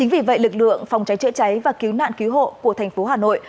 vì vậy lực lượng phòng cháy chữa cháy và cứu nạn cứu hộ của thành phố hà nội